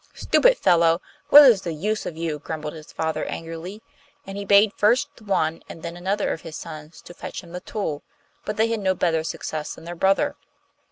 'Stupid fellow! what is the use of you?' grumbled his father angrily; and he bade first one and then another of his sons to fetch him the tool, but they had no better success than their brother.